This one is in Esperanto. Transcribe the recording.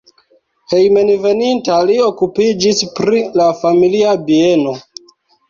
Hejmenveninta li okupiĝis pri la familia bieno.